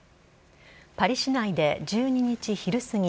パリ市内で１２日昼すぎ